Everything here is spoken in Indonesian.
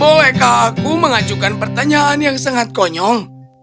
bolehkah aku mengajukan pertanyaan yang sangat konyol